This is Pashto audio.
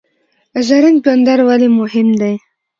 زرنج بندر ولې مهم دی؟